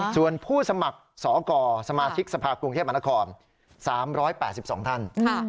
ส่วนผู้สมัครสกสมาชิกสภากรุงเทพมหานคร๓๘๒ท่าน